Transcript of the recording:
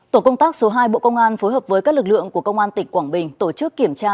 tổ công tác số hai bộ công an phối hợp với các lực lượng của công an tỉnh quảng bình tổ chức kiểm tra